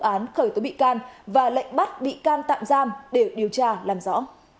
án khởi tố bị can và lệnh bắt bị can tạm giam để điều tra làm rõ